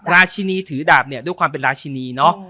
ราชินีถือดาบเนี่ยด้วยความเป็นราชินีเนอะ